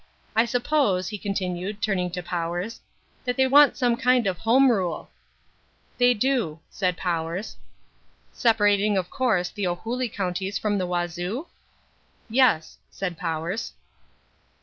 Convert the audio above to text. I suppose," he continued, turning to Powers, "that they want some kind of Home Rule." "They do," said Powers. "Separating, of course, the Ohulî counties from the Wazoo?" "Yes," said Powers.